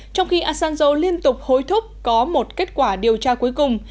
trong khi asanzo liên tục hối thúc có một kết quả điều tra cuối cùng